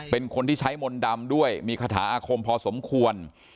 เป็นคนที่ใช้มนต์ดำด้วยมีคาถาอาคมพอสมควร